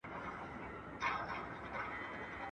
خر بارونو ته پیدا خرکار ترڅنګ وي !.